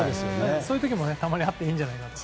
そういう時もたまにあっていいんじゃないかと。